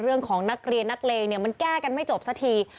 เรื่องของนักเรียนนักเลงเนี่ยมันแก้กันไม่จบสักที